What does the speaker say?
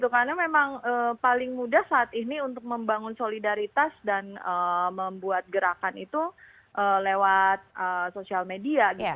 karena memang paling mudah saat ini untuk membangun solidaritas dan membuat gerakan itu lewat sosial media